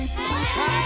はい！